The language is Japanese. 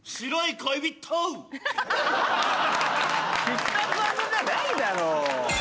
必殺技じゃないだろ。